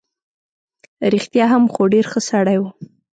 رښتیا هم، خو ډېر ښه سړی وو.